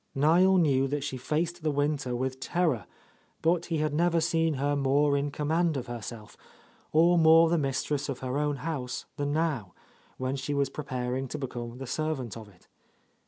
Niel knew that she faced the winter with terror, but he had never seen her more in com mand of herself, — or more the mistress of her own house than now, when she was preparing to become the servant of it.